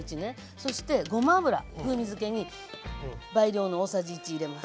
そしてごま油風味づけに倍量の大さじ１入れます。